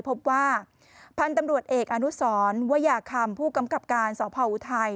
พบว่าพันธุ์ตำรวจเอกอนุสรอนวัยหากรรมภูกำกับการที่สอบภาวุทัย